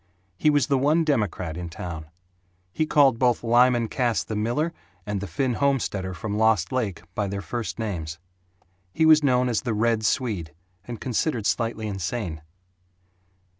He was the one democrat in town. He called both Lyman Cass the miller and the Finn homesteader from Lost Lake by their first names. He was known as "The Red Swede," and considered slightly insane.